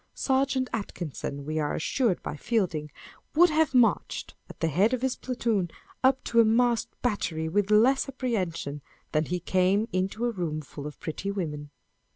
Serjeant Atkinson, we are assured by Fielding, would have marched, at the head of his platoon, up to a masked battery with less apprehension than lie came into a room full of pretty women.